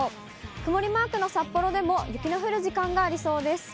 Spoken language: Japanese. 曇りマークの札幌でも雪の降る時間がありそうです。